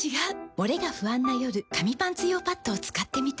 モレが不安な夜紙パンツ用パッドを使ってみた。